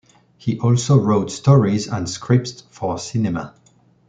He also wrote stories and scripts for cinema.